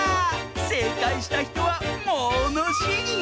せいかいしたひとはものしり！